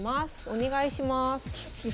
お願いします。